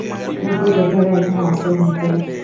মুক্তিযোদ্ধারা এখানে আশ্রয় নিতেন।